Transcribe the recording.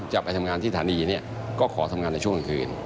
จะไปทำงานที่ฐานีเนี่ยก็ขอทำงานในช่วงกลางคืน